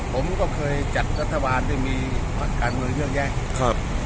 ผมก็เคยจัดรัฐบาลที่มีประการเงินเลือกแยก